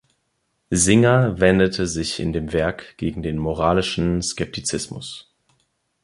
Singer wendete sich in dem Werk gegen den moralischen Skeptizismus.